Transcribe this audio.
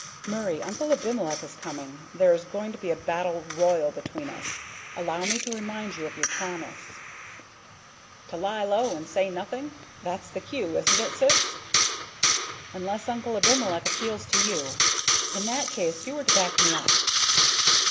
"Murray, Uncle Abimelech is coming. There is going to be a battle royal between us. Allow me to remind you of your promise." "To lie low and say nothing? That's the cue, isn't it, sis?" "Unless Uncle Abimelech appeals to you. In that case you are to back me up."